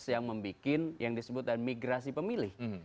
yang membuat yang disebut dan migrasi pemilih